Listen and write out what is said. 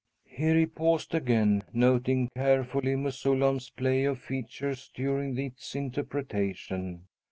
Here he paused again, noting carefully Mesullam's play of features during its interpretation.